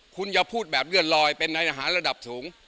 คุณอย่าพูดแบบเลื่อนลอยเป็นในทหารระดับสูง